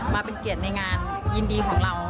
มาเป็นเกียรติในงานยินดีของเรา